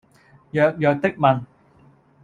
弱弱的問